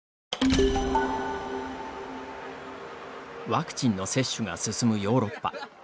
ワクチンの接種が進むヨーロッパ。